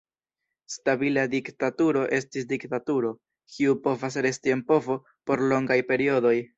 Stabila diktaturo estas diktaturo kiu povas resti en povo por longaj periodoj.